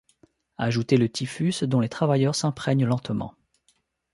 Ajoutez le typhus, dont les travailleurs s’imprègnent lentement.